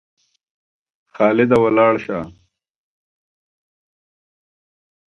خالده ولاړ سه!